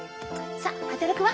さあ働くわ！